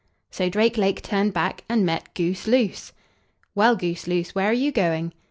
So Drake lake turned back, and met Goose loose. "Well, Goose loose, where are you going?"